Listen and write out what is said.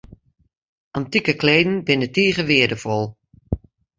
Antike kleden binne tige weardefol.